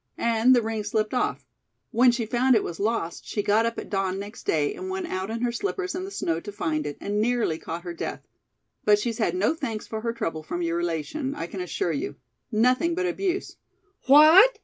"And the ring slipped off. When she found it was lost she got up at dawn next day and went out in her slippers in the snow to find it, and nearly caught her death. But she's had no thanks for her trouble from your relation, I can assure you. Nothing but abuse " "What!"